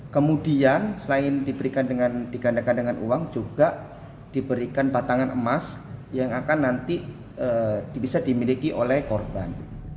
kemudian selain digandakan dengan uang juga diberikan batangan emas yang akan nanti bisa dimiliki oleh korban